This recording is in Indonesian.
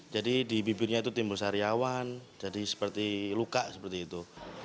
jadi di bibirnya itu timbul sariawan jadi seperti luka seperti itu